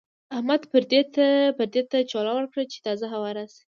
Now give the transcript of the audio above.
احمد پردې ته چوله ورکړه چې تازه هوا راشي.